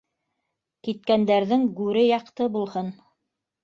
Киткәндәрҙең гүре яҡты булһын